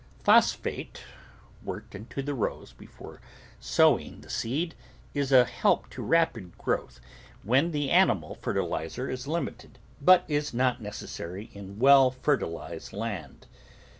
Phosphate worked into the rows before sowing the seed is a help to rapid growth when the animal [ 146 ] ROOT VEGETABLES fertiliser is limited, but is not necessary in well fer tilised land.